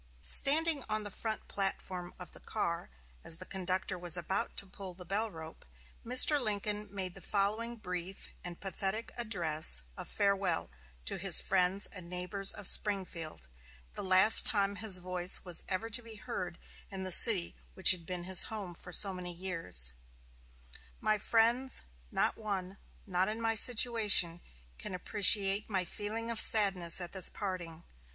Standing on the front platform of the car, as the conductor was about to pull the bell rope, Mr. Lincoln made the following brief and pathetic address of farewell to his friends and neighbors of Springfield the last time his voice was ever to be heard in the city which had been his home for so many years: "My friends: No one, not in my situation, can appreciate my feeling of sadness at this parting.